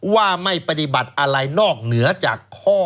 ว่าไม่ปฏิบัติอะไรนอกเหนือจากข้อ